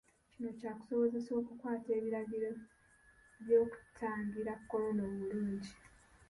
Kino kyakusobozesa okukwata ebiragiro by'okutangira Kolona obulungi.